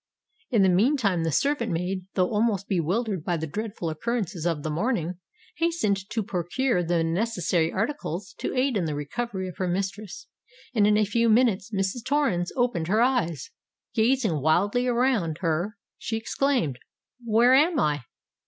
In the meantime the servant maid, though almost bewildered by the dreadful occurrences of the morning, hastened to procure the necessary articles to aid in the recovery of her mistress; and in a few minutes Mrs. Torrens opened her eyes. Gazing wildly around her, she exclaimed, "Where am I?"